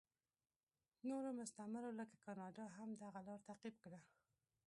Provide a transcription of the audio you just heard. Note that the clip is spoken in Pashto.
نورو مستعمرو لکه کاناډا هم دغه لار تعقیب کړه.